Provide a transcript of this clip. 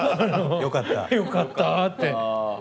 よかった！って。